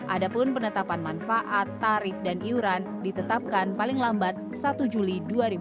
ada pun penetapan manfaat tarif dan iuran ditetapkan paling lambat satu juli dua ribu dua puluh